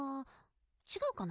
ちがうかな？